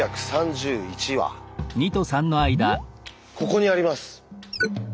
ここにあります。